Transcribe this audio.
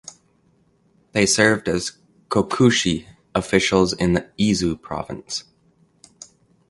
They served as "kokushi" officials in the Izu Province.